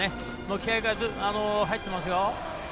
気合いが入っていますよ。